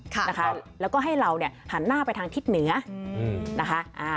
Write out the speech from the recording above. ค่ะนะคะแล้วก็ให้เราเนี่ยหันหน้าไปทางทิศเหนือนะคะอ่า